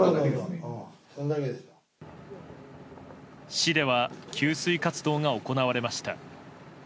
市では給水活動が行われました。